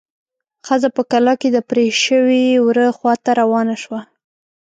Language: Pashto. ښځه په کلا کې د پرې شوي وره خواته روانه شوه.